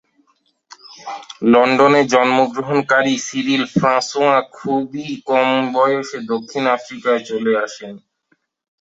লন্ডনে জন্মগ্রহণকারী Cyril François খুবই কম বয়সে দক্ষিণ আফ্রিকায় চলে আসেন।